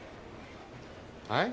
はい？